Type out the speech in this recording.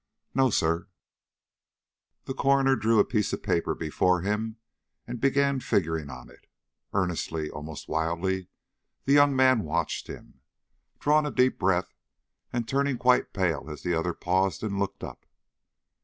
"No, sir." The coroner drew a piece of paper before him and began figuring on it. Earnestly, almost wildly, the young man watched him, drawing a deep breath and turning quite pale as the other paused and looked up.